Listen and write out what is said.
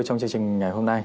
trong chương trình ngày hôm nay